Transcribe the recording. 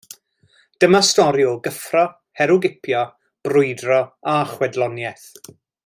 Dyma stori o gyffro, herwgipio, brwydro a chwedloniaeth.